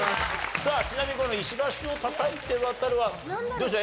さあちなみにこの石橋を叩いて渡るはどうでしょう？